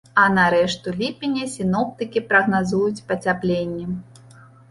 А на рэшту ліпеня сіноптыкі прагназуюць пацяпленне.